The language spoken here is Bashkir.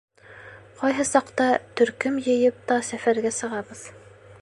Ҡайһы саҡта төркөм йыйып та сәфәргә сығабыҙ.